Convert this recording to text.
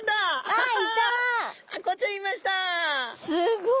はい。